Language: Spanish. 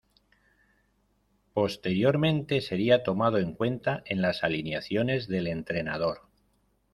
Posteriormente sería tomado en cuenta en las alineaciones del entrenador.